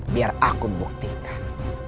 biar aku buktikan